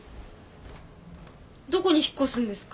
どこに引っ越すんですか？